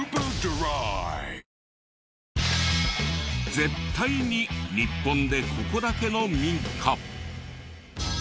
絶対に日本でここだけの民家。